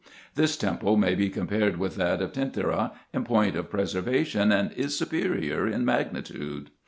This temple may be compared with that of Tentyra in point of preservation, and is superior in magnitude.